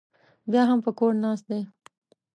بیا هم په کور ناست دی